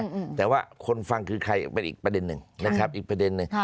อืมแต่ว่าคนฟังคือใครเป็นอีกประเด็นหนึ่งนะครับอีกประเด็นหนึ่งค่ะ